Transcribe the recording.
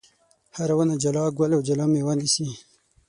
هره ونه جلا ګل او جلا مېوه نیسي.